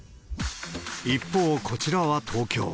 一方、こちらは東京。